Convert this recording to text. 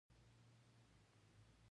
د کار او تصفیې نوې طریقې رامنځته شوې.